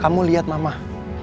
kamu lihat mamah